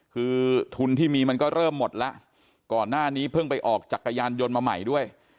คือทุนที่มีมันก็เริ่มหมดแล้วก่อนหน้านี้เพิ่งไปออกจักรยานยนต์มาใหม่ด้วย